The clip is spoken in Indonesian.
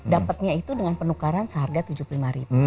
dapetnya itu dengan penukaran seharga tujuh puluh lima ribu